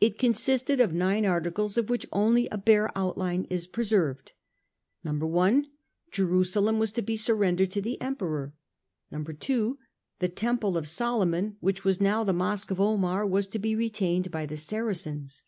It consisted of nine articles of which only a bare outline is preserved. I. Jerusalem was to be surrendered to the Emperor. 2. The Temple of Solomon, which was now the Mosque of Omar, was to be retained by the Saracens.